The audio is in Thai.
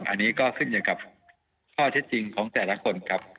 อันนี้ก็ขึ้นอยู่กับข้อเท็จจริงของแต่ละคนครับ